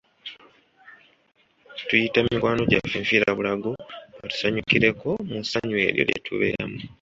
Tuyita mikwano gyaffe nfiirabulago batusanyukireko mu ssanyu eryo lye tubeeramu.